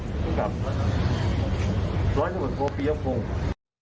ภูมิกับร้อยทะวัน๔ปีเยาะภูมิ